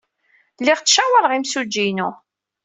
Lliɣ ttcawaṛeɣ imsujji-inu.